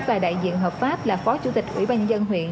và đại diện hợp pháp là phó chủ tịch ubnd huyện